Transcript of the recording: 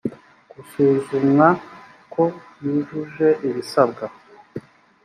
gusuzumwa ko yujuje ibisabwa